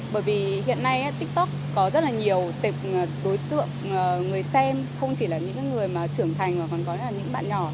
bởi vì hiện nay tiktok có rất là nhiều tệp đối tượng người xem không chỉ là những người mà trưởng thành mà còn có là những bạn nhỏ